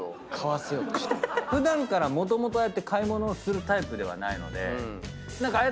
普段からもともと買い物をするタイプではないのでああ